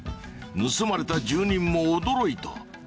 盗まれた住人も驚いた。